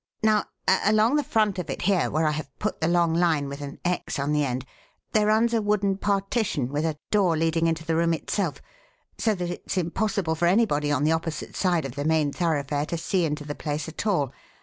Now, along the front of it here, where I have put the long line with an X on the end, there runs a wooden partition with a door leading into the room itself, so that it's impossible for anybody on the opposite side of the main thoroughfare to see into the place at all.